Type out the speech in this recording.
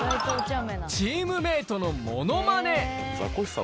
チームメートのものまね。